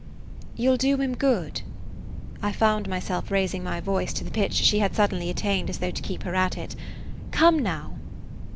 "You 'll do him good." I found myself raising my voice to the pitch she had suddenly attained as though to keep her at it. "Come now!"